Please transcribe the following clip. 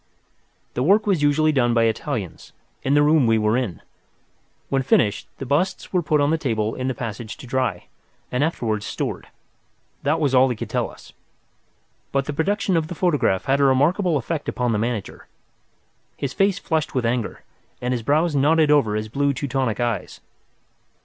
The work was usually done by Italians, in the room we were in. When finished, the busts were put on a table in the passage to dry, and afterwards stored. That was all he could tell us. But the production of the photograph had a remarkable effect upon the manager. His face flushed with anger, and his brows knotted over his blue Teutonic eyes.